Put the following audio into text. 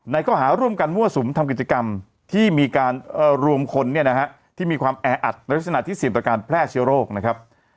ข้อหาร่วมกันมั่วสุมทำกิจกรรมที่มีการรวมคนเนี่ยนะฮะที่มีความแออัดในลักษณะที่เสี่ยงต่อการแพร่เชื้อโรคนะครับ